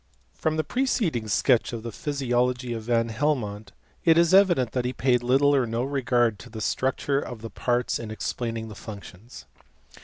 From the preceding sketch of the physiology of m Helmont, it is evident that he paid little or no ^di to the structure of the parts in explaining B functions.